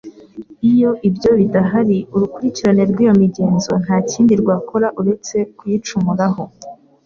Iyo ibyo bidahari urukurikirane rw'iyo migenzo nta kindi rwakora uretse kuyicumuraho.